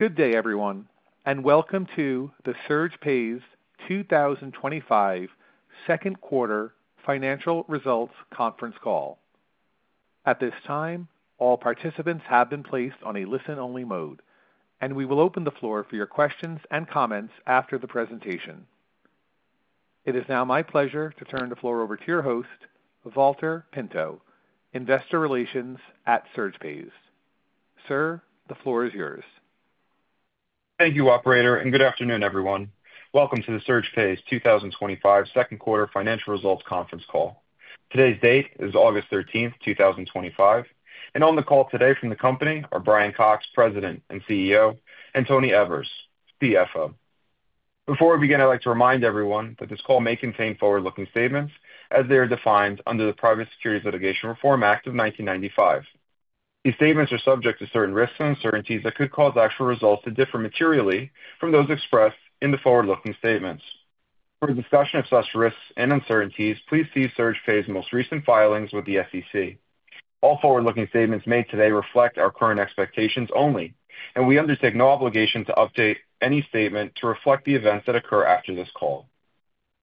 Good day, everyone, and welcome to the SurgePays 2025 Second Quarter Financial Results Conference Call. At this time, all participants have been placed on a listen-only mode, and we will open the floor for your questions and comments after the presentation. It is now my pleasure to turn the floor over to your host, Valter Pinto, Investor Relations at SurgePays. Sir, the floor is yours. Thank you, operator, and good afternoon, everyone. Welcome to the SurgePays 2025 Second Quarter Financial Results Conference call. Today's date is August 13th, 2025, and on the call today from the company are Brian Cox, President and CEO, and Tony Evers, CFO. Before we begin, I'd like to remind everyone that this call may contain forward-looking statements as they are defined under the Private Securities Litigation Reform Act of 1995. These statements are subject to certain risks and uncertainties that could cause actual results to differ materially from those expressed in the forward-looking statements. For a discussion of such risks and uncertainties, please see SurgePays' most recent filings with the SEC. All forward-looking statements made today reflect our current expectations only, and we undertake no obligation to update any statement to reflect the events that occur after this call.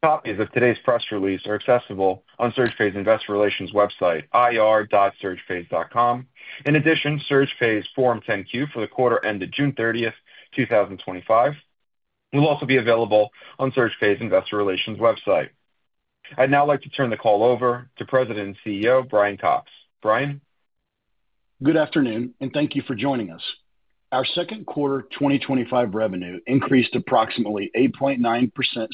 Copies of today's press release are accessible on SurgePays' Investor Relations website, ir.surgepays.com. In addition, SurgePays' Form 10-Q for the quarter ended June 30th, 2025, will also be available on SurgePays' Investor Relations website. I'd now like to turn the call over to President and CEO, Brian Cox. Brian. Good afternoon, and thank you for joining us. Our second quarter 2025 revenue increased approximately 8.9%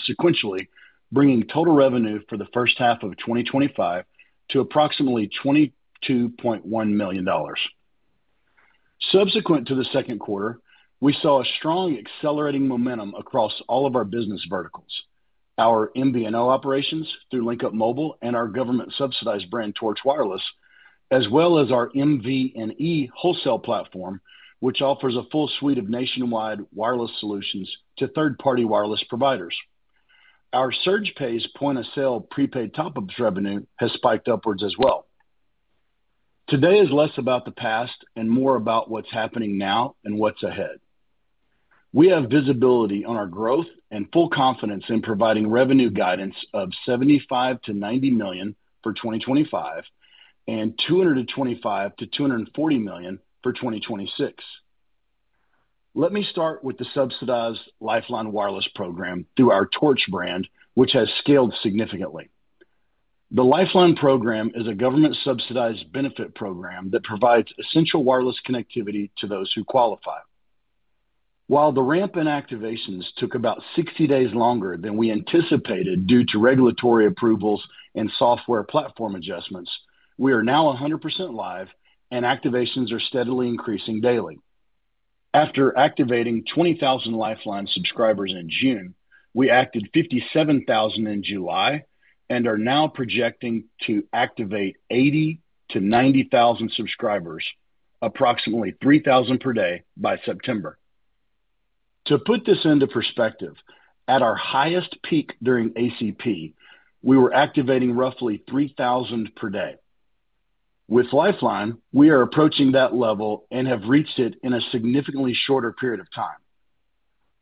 sequentially, bringing total revenue for the first half of 2025 to approximately $22.1 million. Subsequent to the second quarter, we saw strong accelerating momentum across all of our business verticals: our MVNO operations through LinkUp Mobile and our government-subsidized brand, Torch Wireless, as well as our MVNE wholesale platform, which offers a full suite of nationwide wireless solutions to third-party wireless providers. Our SurgePays point-of-sale prepaid top-ups revenue has spiked upwards as well. Today is less about the past and more about what's happening now and what's ahead. We have visibility on our growth and full confidence in providing revenue guidance of $75 million-$90 million for 2025 and $225 million-$240 million for 2026. Let me start with the subsidized Lifeline program through our Torch brand, which has scaled significantly. The Lifeline program is a government-subsidized benefit program that provides essential wireless connectivity to those who qualify. While the ramp-in activations took about 60 days longer than we anticipated due to regulatory approvals and software platform adjustments, we are now 100% live, and activations are steadily increasing daily. After activating 20,000 Lifeline subscribers in June, we activated 57,000 in July and are now projecting to activate 80,000-90,000 subscribers, approximately 3,000 per day by September. To put this into perspective, at our highest peak during ACP, we were activating roughly 3,000 per day. With Lifeline, we are approaching that level and have reached it in a significantly shorter period of time.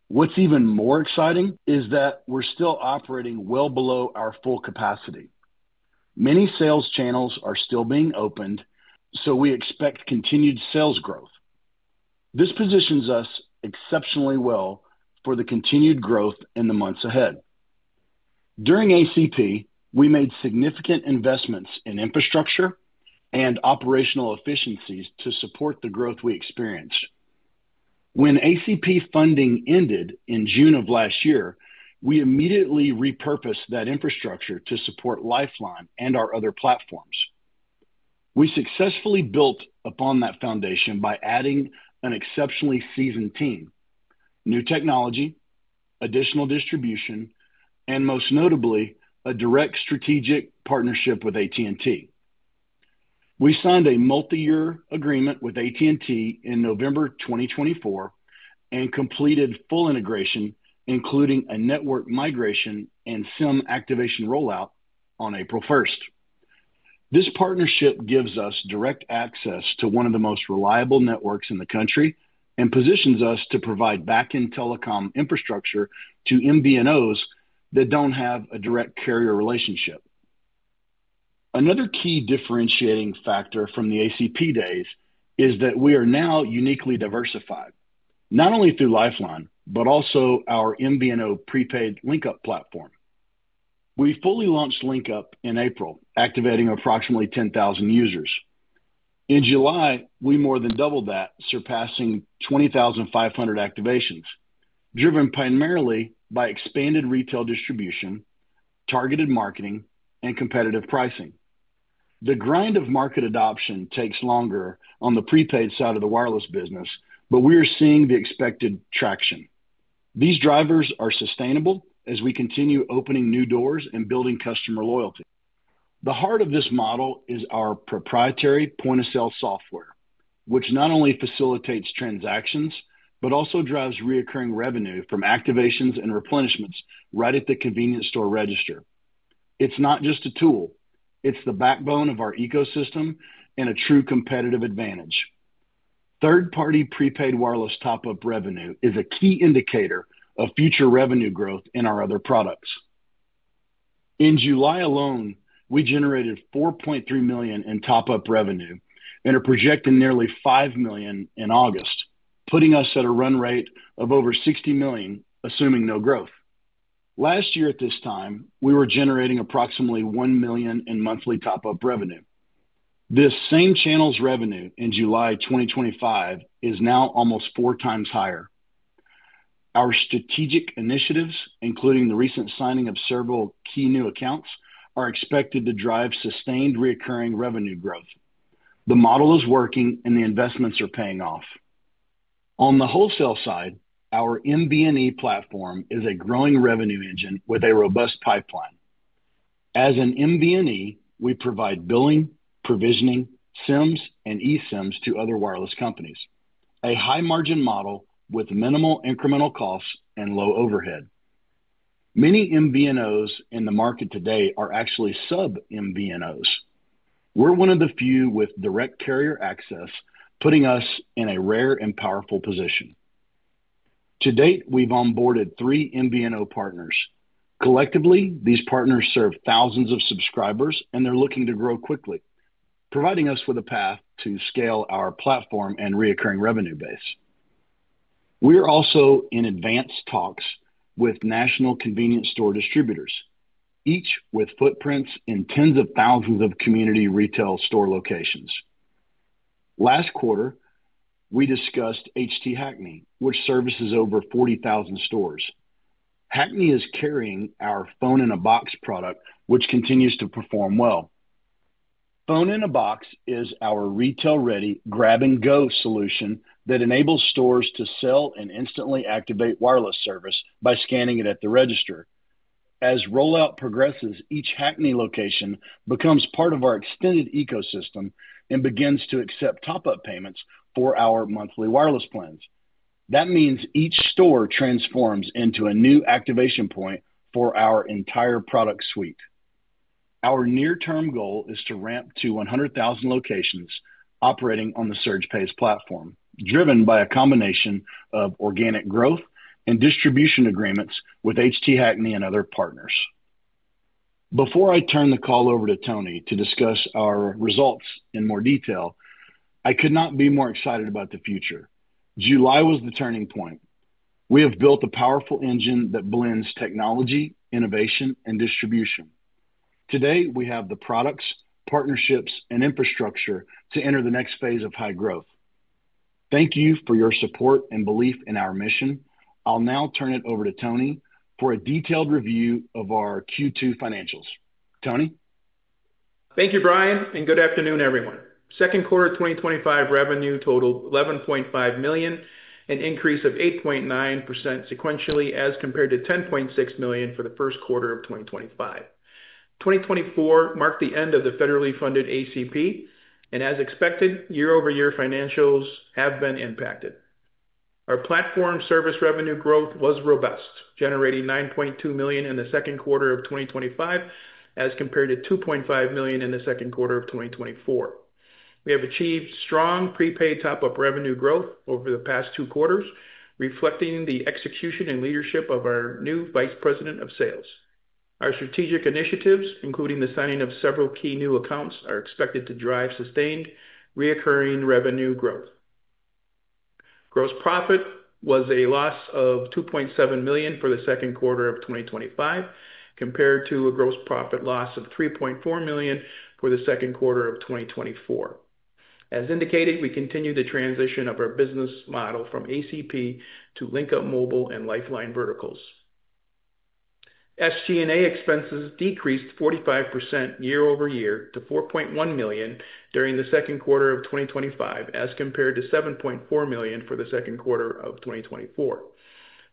What's even more exciting is that we're still operating well below our full capacity. Many sales channels are still being opened, so we expect continued sales growth. This positions us exceptionally well for the continued growth in the months ahead. During ACP, we made significant investments in infrastructure and operational efficiencies to support the growth we experienced. When ACP funding ended in June of last year, we immediately repurposed that infrastructure to support Lifeline and our other platforms. We successfully built upon that foundation by adding an exceptionally seasoned team, new technology, additional distribution, and most notably, a direct strategic partnership with AT&T. We signed a multi-year agreement with AT&T in November 2024 and completed full integration, including a network migration and SIM activation rollout on April 1st. This partnership gives us direct access to one of the most reliable networks in the country and positions us to provide backend telecom infrastructure to MVNOs that don't have a direct carrier relationship. Another key differentiating factor from the ACP days is that we are now uniquely diversified, not only through Lifeline, but also our MVNO prepaid LinkUp platform. We fully launched LinkUp in April, activating approximately 10,000 users. In July, we more than doubled that, surpassing 20,500 activations, driven primarily by expanded retail distribution, targeted marketing, and competitive pricing. The grind of market adoption takes longer on the prepaid side of the wireless business, but we are seeing the expected traction. These drivers are sustainable as we continue opening new doors and building customer loyalty. The heart of this model is our proprietary point-of-sale software, which not only facilitates transactions but also drives recurring revenue from activations and replenishments right at the convenience store register. It's not just a tool, it's the backbone of our ecosystem and a true competitive advantage. Third-party prepaid wireless top-up revenue is a key indicator of future revenue growth in our other products. In July alone, we generated $4.3 million in top-up revenue and are projecting nearly $5 million in August, putting us at a run rate of over $60 million, assuming no growth. Last year at this time, we were generating approximately $1 million in monthly top-up revenue. This same channel's revenue in July 2025 is now almost 4x higher. Our strategic initiatives, including the recent signing of several key new accounts, are expected to drive sustained recurring revenue growth. The model is working, and the investments are paying off. On the wholesale side, our MVNE platform is a growing revenue engine with a robust pipeline. As an MVNE, we provide billing, provisioning, SIMs, and eSIMs to other wireless companies. A high-margin model with minimal incremental costs and low overhead. Many MVNOs in the market today are actually sub-MVNOs. We're one of the few with direct carrier access, putting us in a rare and powerful position. To date, we've onboarded three MVNO partners. Collectively, these partners serve thousands of subscribers, and they're looking to grow quickly, providing us with a path to scale our platform and recurring revenue base. We are also in advanced talks with national convenience store distributors, each with footprints in tens of thousands of community retail store locations. Last quarter, we discussed HT Hackney, which services over 40,000 stores. Hackney is carrying our phone-in-a-box product, which continues to perform well. Phone-in-a-box is our retail-ready grab-and-go solution that enables stores to sell and instantly activate wireless service by scanning it at the register. As rollout progresses, each Hackney location becomes part of our extended ecosystem and begins to accept top-up payments for our monthly wireless plans. That means each store transforms into a new activation point for our entire product suite. Our near-term goal is to ramp to 100,000 locations operating on the SurgePays platform, driven by a combination of organic growth and distribution agreements with HT Hackney and other partners. Before I turn the call over to Tony to discuss our results in more detail, I could not be more excited about the future. July was the turning point. We have built a powerful engine that blends technology, innovation, and distribution. Today, we have the products, partnerships, and infrastructure to enter the next phase of high growth. Thank you for your support and belief in our mission. I'll now turn it over to Tony for a detailed review of our Q2 financials. Tony. Thank you, Brian, and good afternoon, everyone. Second quarter 2025 revenue totaled $11.5 million, an increase of 8.9% sequentially as compared to $10.6 million for the first quarter of 2025. 2024 marked the end of the federally funded ACP, and as expected, year-over-year financials have been impacted. Our platform service revenue growth was robust, generating $9.2 million in the second quarter of 2025 as compared to $2.5 million in the second quarter of 2024. We have achieved strong prepaid top-up revenue growth over the past two quarters, reflecting the execution and leadership of our new Vice President of Sales. Our strategic initiatives, including the signing of several key new accounts, are expected to drive sustained recurring revenue growth. Gross profit was a loss of $2.7 million for the second quarter of 2025, compared to a gross profit loss of $3.4 million for the second quarter of 2024. As indicated, we continue the transition of our business model from ACP to LinkUp Mobile and Lifeline verticals. SG&A expenses decreased 45% year-over-year to $4.1 million during the second quarter of 2025, as compared to $7.4 million for the second quarter of 2024.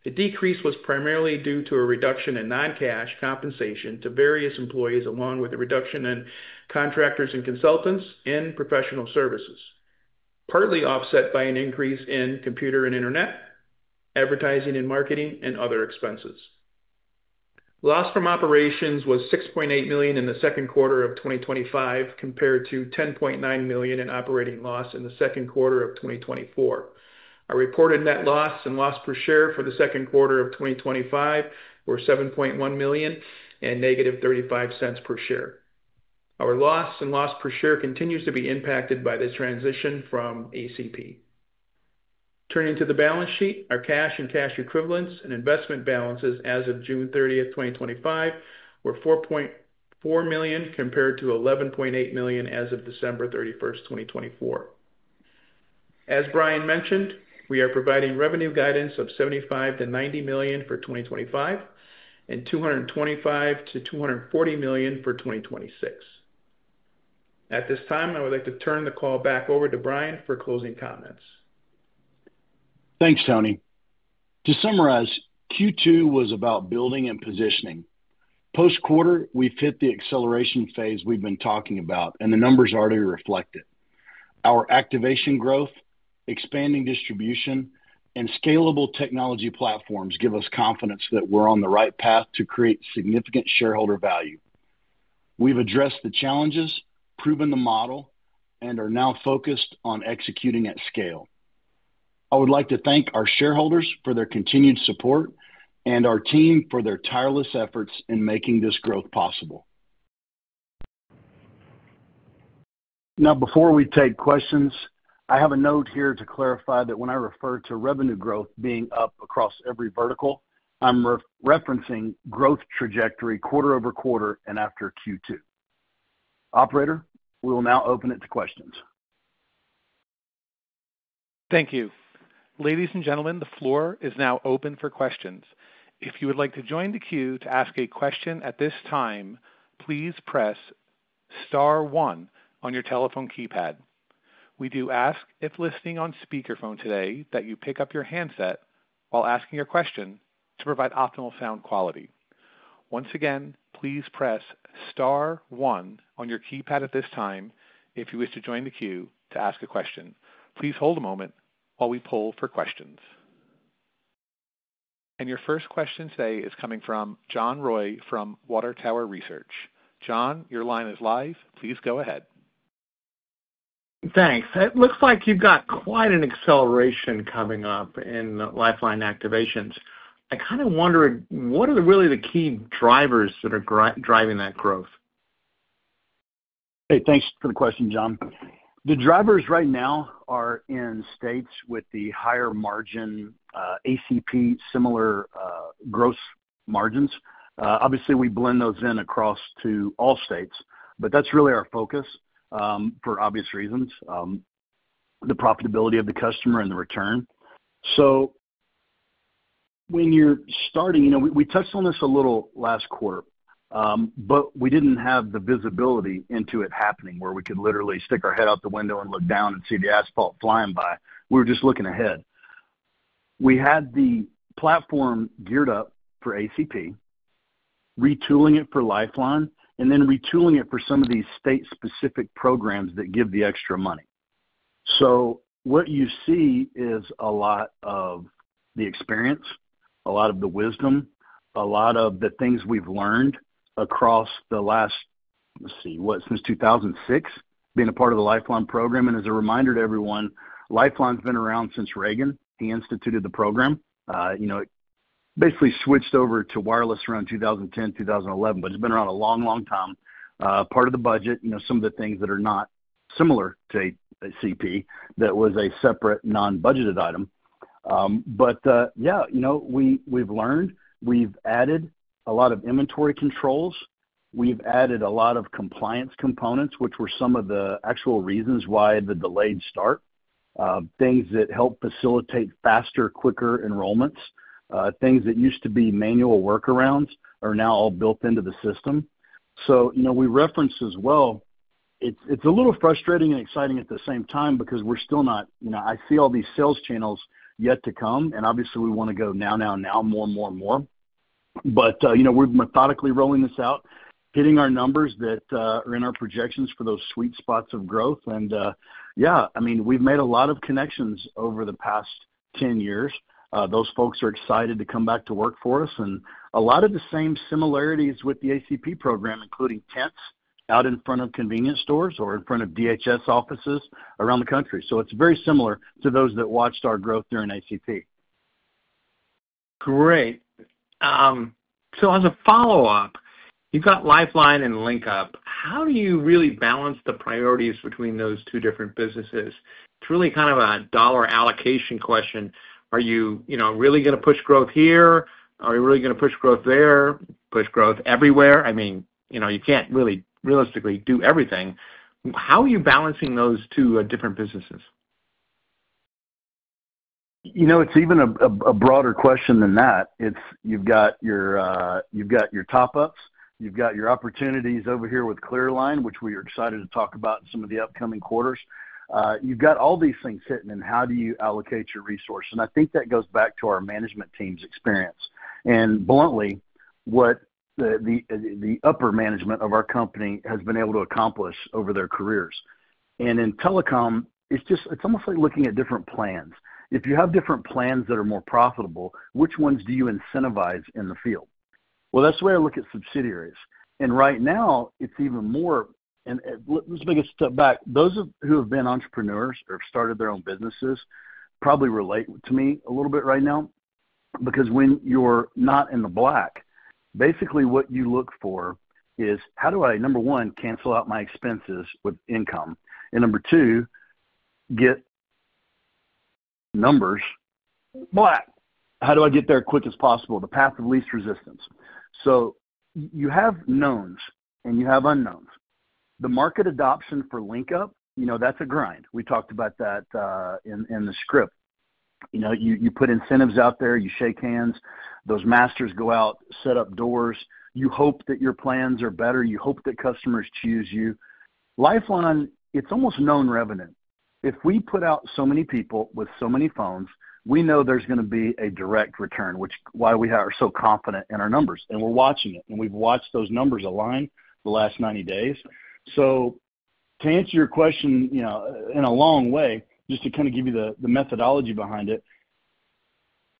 The decrease was primarily due to a reduction in non-cash compensation to various employees, along with a reduction in contractors and consultants in professional services, partly offset by an increase in computer and internet, advertising and marketing, and other expenses. Loss from operations was $6.8 million in the second quarter of 2025, compared to $10.9 million in operating loss in the second quarter of 2024. Our reported net loss and loss per share for the second quarter of 2025 were $7.1 million and -$0.35 per share. Our loss and loss per share continue to be impacted by this transition from ACP. Turning to the balance sheet, our cash and cash equivalents and investment balances as of June 30, 2025, were $4.4 million compared to $11.8 million as of December 31st, 2024. As Brian mentioned, we are providing revenue guidance of $75 million and $90 million for 2025 and $225 million-$240 million for 2026. At this time, I would like to turn the call back over to Brian for closing comments. Thanks, Tony. To summarize, Q2 was about building and positioning. Post-quarter, we fit the acceleration phase we've been talking about, and the numbers already reflect it. Our activation growth, expanding distribution, and scalable technology platforms give us confidence that we're on the right path to create significant shareholder value. We've addressed the challenges, proven the model, and are now focused on executing at scale. I would like to thank our shareholders for their continued support and our team for their tireless efforts in making this growth possible. Now, before we take questions, I have a note here to clarify that when I refer to revenue growth being up across every vertical, I'm referencing growth trajectory quarter over quarter and after Q2. Operator, we will now open it to questions. Thank you. Ladies and gentlemen, the floor is now open for questions. If you would like to join the queue to ask a question at this time, please press star one on your telephone keypad. We do ask if listening on speakerphone today that you pick up your handset while asking your question to provide optimal sound quality. Once again, please press star one on your keypad at this time if you wish to join the queue to ask a question. Please hold a moment while we poll for questions. Your first question today is coming from John Roy from Water Tower Research. John, your line is live. Please go ahead. Thanks. It looks like you've got quite an acceleration coming up in Lifeline activations. I kind of wondered, what are really the key drivers that are driving that growth? Great, thanks for the question, John. The drivers right now are in states with the higher margin ACP, similar growth margins. Obviously, we blend those in across to all states, but that's really our focus for obvious reasons, the profitability of the customer and the return. When you're starting, you know, we touched on this a little last quarter, but we didn't have the visibility into it happening where we could literally stick our head out the window and look down and see the asphalt flying by. We were just looking ahead. We had the platform geared up for ACP, retooling it for Lifeline, and then retooling it for some of these state-specific programs that give the extra money. What you see is a lot of the experience, a lot of the wisdom, a lot of the things we've learned across the last, let's see, what, since 2006, being a part of the Lifeline program. As a reminder to everyone, Lifeline's been around since Reagan. He instituted the program. It basically switched over to wireless around 2010, 2011, but it's been around a long, long time. Part of the budget, you know, some of the things that are not similar to ACP, that was a separate non-budgeted item. We've learned, we've added a lot of inventory controls. We've added a lot of compliance components, which were some of the actual reasons why the delayed start, things that help facilitate faster, quicker enrollments, things that used to be manual workarounds are now all built into the system. We reference as well, it's a little frustrating and exciting at the same time because we're still not, you know, I see all these sales channels yet to come, and obviously we want to go now, now, now, more, and more, and more. We're methodically rolling this out, hitting our numbers that are in our projections for those sweet spots of growth. We've made a lot of connections over the past 10 years. Those folks are excited to come back to work for us, and a lot of the same similarities with the ACP program, including tents out in front of convenience stores or in front of DHS offices around the country. It's very similar to those that watched our growth during ACP. Great. As a follow-up, you've got Lifeline and LinkUp. How do you really balance the priorities between those two different businesses? It's really kind of a dollar allocation question. Are you really going to push growth here? Are you really going to push growth there? Push growth everywhere? You can't really realistically do everything. How are you balancing those two different businesses? You know, it's even a broader question than that. You've got your top-ups, you've got your opportunities over here with ClearLine, which we are excited to talk about in some of the upcoming quarters. You've got all these things hitting, and how do you allocate your resources? I think that goes back to our management team's experience. Bluntly, what the upper management of our company has been able to accomplish over their careers. In telecom, it's just, it's almost like looking at different plans. If you have different plans that are more profitable, which ones do you incentivize in the field? That's the way I look at subsidiaries. Right now, it's even more, and let's make a step back. Those who have been entrepreneurs or have started their own businesses probably relate to me a little bit right now because when you're not in the black, basically what you look for is how do I, number one, cancel out my expenses with income? Number two, get numbers. Black. How do I get there as quick as possible? The path of least resistance. You have knowns and you have unknowns. The market adoption for LinkUp, you know, that's a grind. We talked about that in the script. You put incentives out there, you shake hands, those masters go out, set up doors, you hope that your plans are better, you hope that customers choose you. Lifeline, it's almost known revenue. If we put out so many people with so many phones, we know there's going to be a direct return, which is why we are so confident in our numbers. We're watching it. We've watched those numbers align the last 90 days. To answer your question, just to kind of give you the methodology behind it,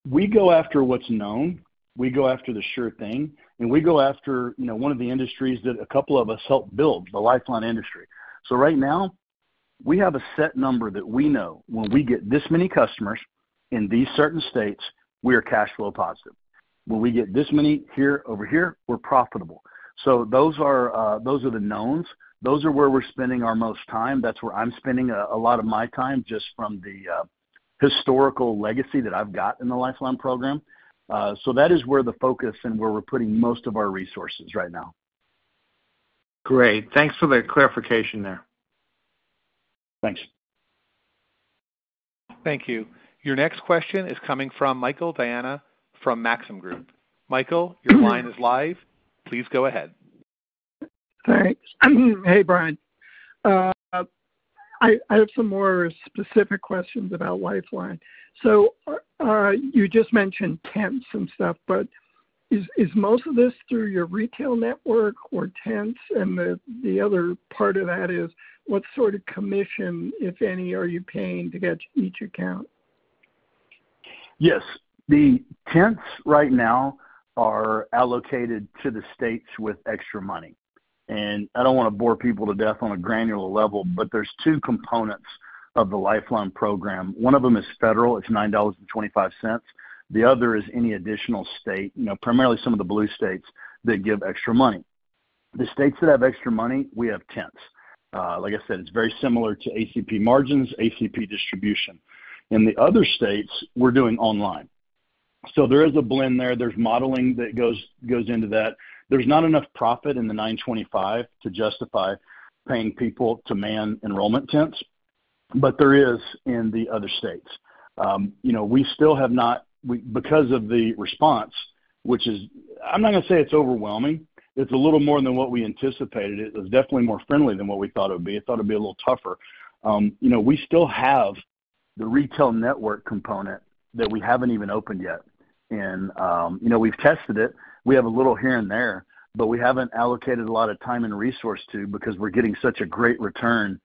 we go after what's known. We go after the sure thing. We go after one of the industries that a couple of us helped build, the Lifeline industry. Right now, we have a set number that we know when we get this many customers in these certain states, we are cash flow positive. When we get this many here over here, we're profitable. Those are the knowns. Those are where we're spending our most time. That's where I'm spending a lot of my time just from the historical legacy that I've got in the Lifeline program. That is where the focus and where we're putting most of our resources right now. Great. Thanks for the clarification there. Thanks. Thank you. Your next question is coming from Michael Diana from Maxim Group. Michael, your line is live. Please go ahead. All right. Hey, Brian. I have some more specific questions about Lifeline. You just mentioned temps and stuff, but is most of this through your retail network or temps? The other part of that is what sort of commission, if any, are you paying to get each account? Yes. The temps right now are allocated to the states with extra money. I don't want to bore people to death on a granular level, but there's two components of the Lifeline program. One of them is federal. It's $9.25. The other is any additional state, you know, primarily some of the blue states that give extra money. The states that have extra money, we have temps. Like I said, it's very similar to ACP margins, ACP distribution. In the other states, we're doing online. There is a blend there. There's modeling that goes into that. There's not enough profit in the $9.25 to justify paying people to man enrollment temps, but there is in the other states. We still have not, because of the response, which is, I'm not going to say it's overwhelming. It's a little more than what we anticipated. It was definitely more friendly than what we thought it would be. I thought it'd be a little tougher. We still have the retail network component that we haven't even opened yet. We've tested it. We have a little here and there, but we haven't allocated a lot of time and resource to it because we're getting such a great return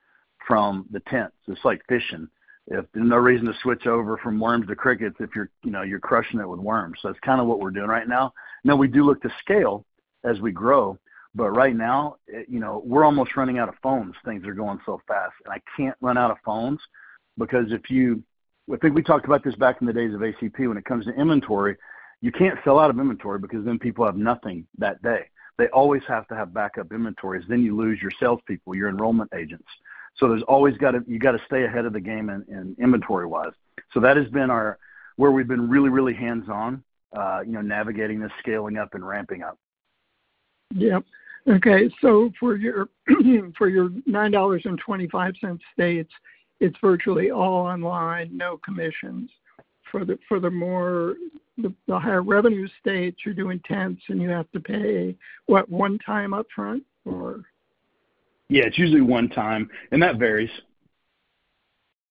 from the temps. It's like fishing. If there's no reason to switch over from worms to crickets if you're, you know, you're crushing it with worms. That's kind of what we're doing right now. We do look to scale as we grow, but right now, we're almost running out of phones. Things are going so fast. I can't run out of phones because if you, I think we talked about this back in the days of ACP when it comes to inventory, you can't fill out of inventory because then people have nothing that day. They always have to have backup inventories. Then you lose your salespeople, your enrollment agents. You always got to stay ahead of the game inventory-wise. That has been where we've been really, really hands-on, navigating this, scaling up and ramping up. Okay. For your $9.25 states, it's virtually all online, no commissions. For the higher revenue states, you're doing temps and you have to pay, what, one time upfront or? Yeah, it's usually one time, and that varies.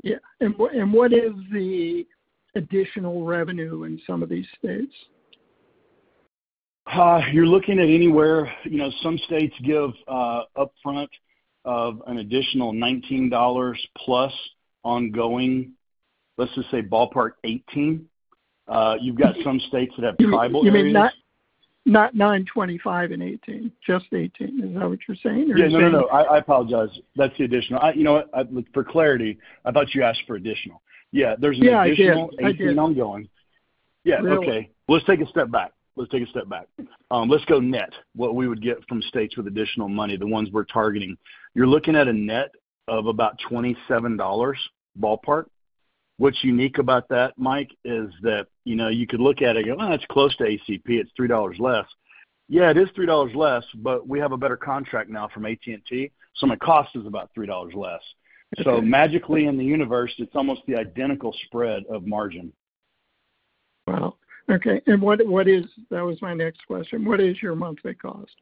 What is the additional revenue in some of these states? You're looking at anywhere, you know, some states give upfront of an additional $19+ ongoing, let's just say ballpark $18. You've got some states that have tribal deposits. You mean not $9.25 and $18, just $18? Is that what you're saying? I apologize. That's the additional. For clarity, I thought you asked for additional. There's an additional $18 ongoing. Okay, let's take a step back. Let's go net what we would get from states with additional money, the ones we're targeting. You're looking at a net of about $27 ballpark. What's unique about that, Mike, is that you could look at it and go, it's close to ACP. It's $3 less. It is $3 less, but we have a better contract now from AT&T, so my cost is about $3 less. Magically in the universe, it's almost the identical spread of margin. Okay. What is your monthly cost?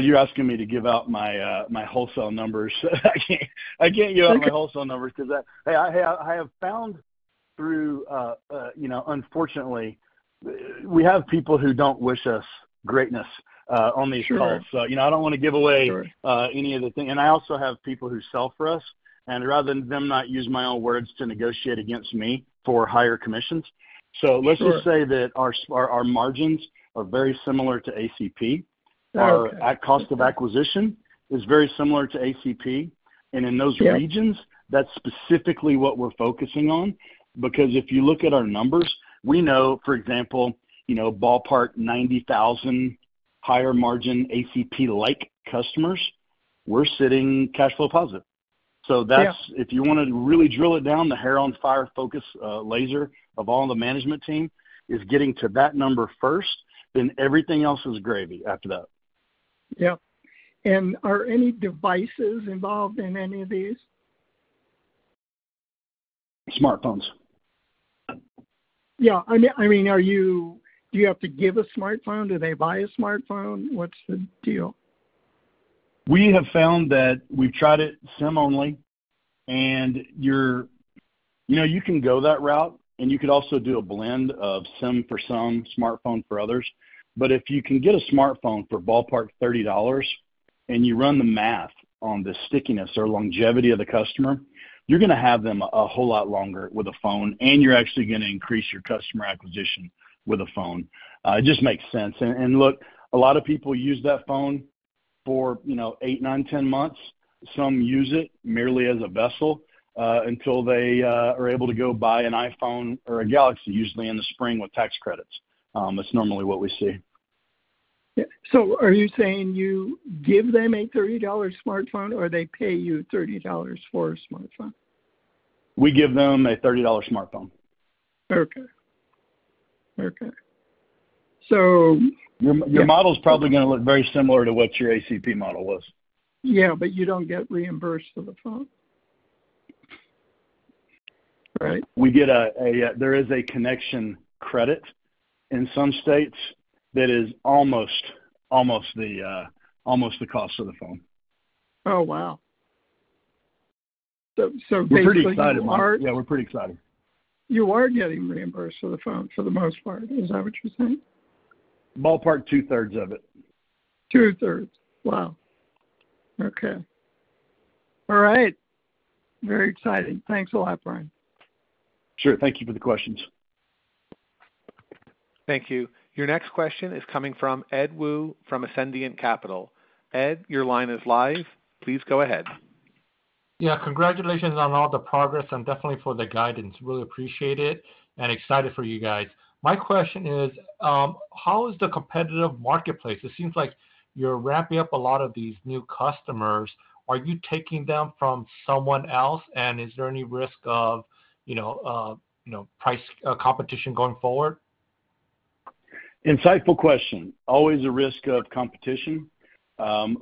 You're asking me to give out my wholesale numbers. I can't give out my wholesale numbers because I have found, unfortunately, we have people who don't wish us greatness on these calls. I don't want to give away any of the things. I also have people who sell for us, and rather than them use my own words to negotiate against me for higher commissions, let's just say that our margins are very similar to ACP. Our cost of acquisition is very similar to ACP. In those regions, that's specifically what we're focusing on because if you look at our numbers, we know, for example, ballpark 90,000 higher margin ACP-like customers, we're sitting cash flow positive. If you want to really drill it down, the hair-on-fire focus laser of all the management team is getting to that number first, then everything else is gravy after that. Are any devices involved in any of these? Smartphones. Yeah. I mean, do you have to give a smartphone? Do they buy a smartphone? What's the deal? We have found that we've tried it SIM-only, and you can go that route, and you could also do a blend of SIM for some, smartphone for others. If you can get a smartphone for ballpark $30, and you run the math on the stickiness or longevity of the customer, you're going to have them a whole lot longer with a phone, and you're actually going to increase your customer acquisition with a phone. It just makes sense. A lot of people use that phone for, you know, eight, nine, 10 months. Some use it merely as a vessel until they are able to go buy an iPhone or a Galaxy, usually in the spring with tax credits. That's normally what we see. Are you saying you give them a $30 smartphone, or they pay you $30 for a smartphone? We give them a $30 smartphone. Okay. Okay. Your model's probably going to look very similar to what your ACP model was. Yeah, you don't get reimbursed for the phone, right? There is a connection credit in some states that is almost the cost of the phone. Oh, wow. We're pretty excited. We're pretty excited. You are getting reimbursed for the phone for the most part. Is that what you're saying? Ballpark two-thirds of it. Two-thirds. Wow. Okay. All right. Very exciting. Thanks a lot, Brian. Sure. Thank you for the questions. Thank you. Your next question is coming from Ed Woo from Ascendiant Capital. Ed, your line is live. Please go ahead. Congratulations on all the progress and definitely for the guidance. Really appreciate it and excited for you guys. My question is, how is the competitive marketplace? It seems like you're wrapping up a lot of these new customers. Are you taking them from someone else, and is there any risk of price competition going forward? Insightful question. Always a risk of competition.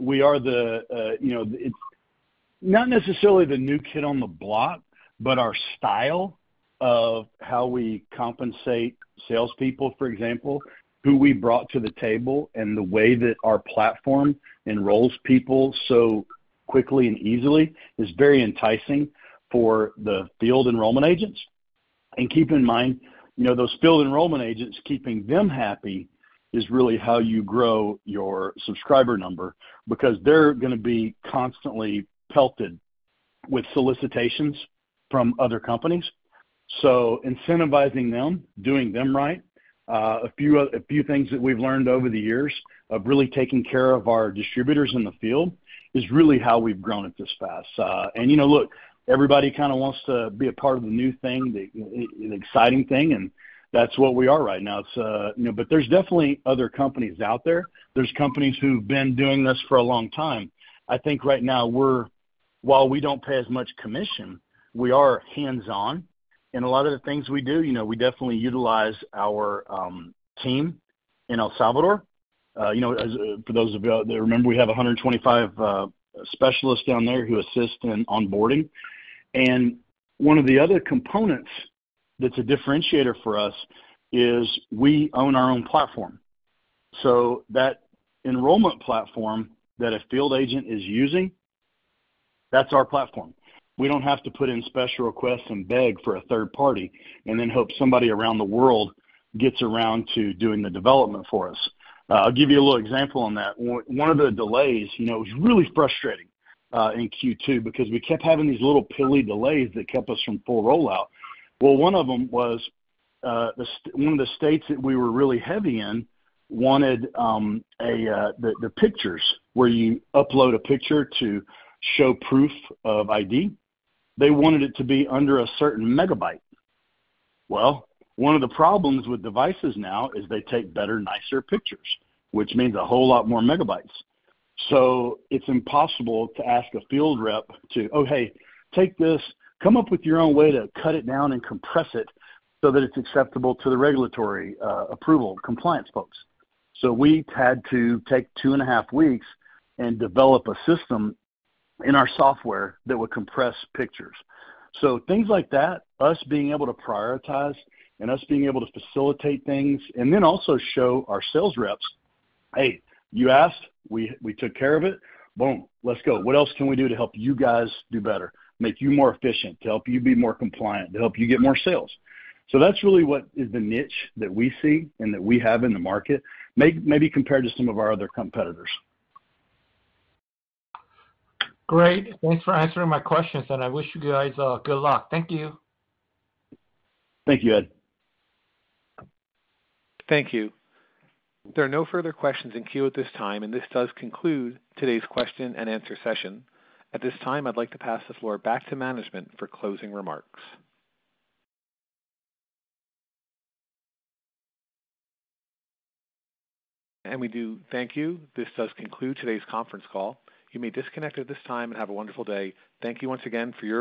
We are the, you know, it's not necessarily the new kid on the block, but our style of how we compensate salespeople, for example, who we brought to the table, and the way that our platform enrolls people so quickly and easily is very enticing for the field enrollment agents. Keep in mind, you know, those field enrollment agents, keeping them happy is really how you grow your subscriber number because they're going to be constantly pelted with solicitations from other companies. Incentivizing them, doing them right, a few things that we've learned over the years of really taking care of our distributors in the field is really how we've grown it this fast. You know, look, everybody kind of wants to be a part of the new thing, the exciting thing, and that's what we are right now. It's, you know, but there's definitely other companies out there. There's companies who've been doing this for a long time. I think right now, we're, while we don't pay as much commission, we are hands-on. A lot of the things we do, you know, we definitely utilize our team in El Salvador. You know, for those of you out there, remember we have 125 specialists down there who assist in onboarding. One of the other components that's a differentiator for us is we own our own platform. That enrollment platform that a field agent is using, that's our platform. We don't have to put in special requests and beg for a third party and then hope somebody around the world gets around to doing the development for us. I'll give you a little example on that. One of the delays, you know, it was really frustrating, in Q2 because we kept having these little pilly delays that kept us from full rollout. One of them was, one of the states that we were really heavy in wanted the pictures where you upload a picture to show proof of ID. They wanted it to be under a certain megabyte. One of the problems with devices now is they take better, nicer pictures, which means a whole lot more megabytes. It's impossible to ask a field rep to, "Oh, hey, take this, come up with your own way to cut it down and compress it so that it's acceptable to the regulatory approval compliance folks." We had to take two and a half weeks and develop a system in our software that would compress pictures. Things like that, us being able to prioritize and us being able to facilitate things, and then also show our sales reps, "Hey, you asked, we took care of it. Boom, let's go. What else can we do to help you guys do better, make you more efficient, to help you be more compliant, to help you get more sales?" That's really what is the niche that we see and that we have in the market, maybe compared to some of our other competitors. Great. Thanks for answering my questions, and I wish you guys all good luck. Thank you. Thank you, Ed. Thank you. There are no further questions in queue at this time, and this does conclude today's question and answer session. At this time, I'd like to pass the floor back to management for closing remarks. We do thank you. This does conclude today's conference call. You may disconnect at this time and have a wonderful day. Thank you once again for your.